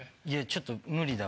ちょっと無理だわ。